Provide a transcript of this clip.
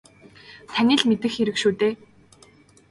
Таны л мэдэх хэрэг шүү дээ.